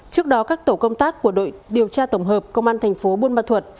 trước đó các tổ công tác của đội điều tra tổng hợp công an thành phố buôn ma thuật